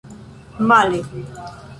male